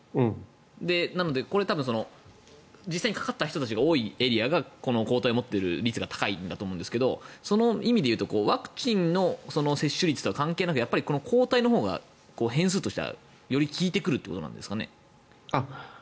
なので、これは多分実際にかかった人たちが多いエリアがこの抗体を持ってる率が高いと思うんですがその意味でいうとワクチンの接種率とは関係なくやっぱり抗体のほうが変数としてはより効いてくるということですかね？